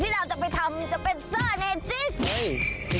ที่เราไปทำจะเป็นเส้อเนจีก